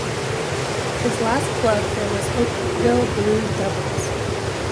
His last club there was Oakville Blue Devils.